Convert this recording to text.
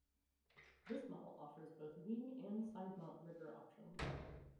This model offers both wing and side mount rigger options.